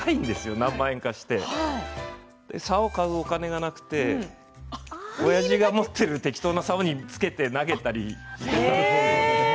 何万円かしてさおを買うお金がなくておやじが持っているさおに適当につけて投げたりして。